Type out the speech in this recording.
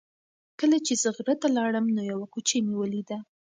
کله چې زه غره ته لاړم نو یوه کوچۍ مې ولیده.